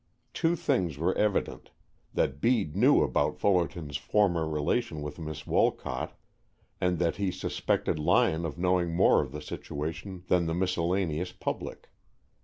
Two things were evident, that Bede knew about Fullerton's former relation with Miss Wolcott and that he suspected Lyon of knowing more of the situation than the miscellaneous public.